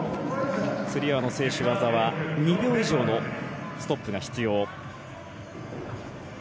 つり輪の静止技は２秒以上のストップが必要。